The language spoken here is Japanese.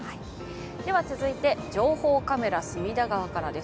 続いて情報カメラ、隅田川からです。